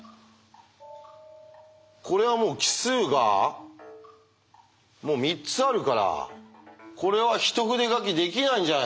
これはもう奇数が３つあるからこれは一筆書きできないんじゃないですか？